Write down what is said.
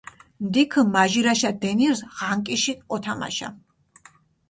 ნდიქჷ მაჟირაშა დენირზ ღანკიში ჸოთამაშა.